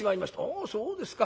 『あそうですか。